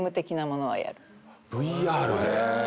ＶＲで。